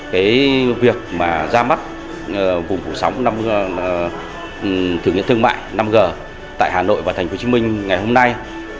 cái việc mà ra mắt vùng phủ sóng thử nghiệm thương mại năm g tại hà nội và tp hcm ngày hôm nay